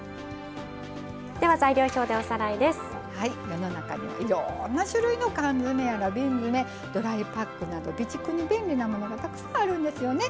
世の中にはいろんな種類の缶詰やら瓶詰ドライパックなど備蓄に便利なものがたくさんあるんですよね。